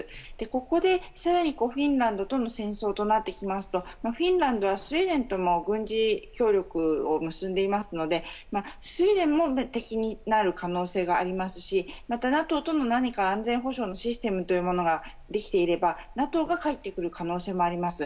ここで更にフィンランドとの戦争となってきますとフィンランドはスウェーデンとも軍事協力を結んでいますのでスウェーデンも敵になる可能性がありますしまた、ＮＡＴＯとも安全保障のシステムというものができていればＮＡＴＯが入ってくる可能性もあります。